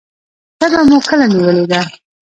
تبه مو کله نیولې ده؟